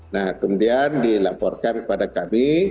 nah kemudian dilaporkan kepada kami